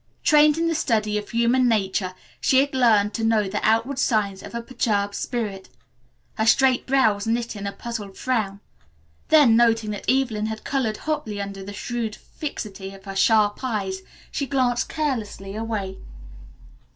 Trained in the study of human nature she had learned to know the outward signs of a perturbed spirit. Her straight brows knit in a puzzled frown. Then, noting that Evelyn had colored hotly under the shrewd fixity of her sharp eyes, she glanced carelessly away.